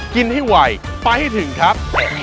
กินให้ไวไปให้ถึงครับ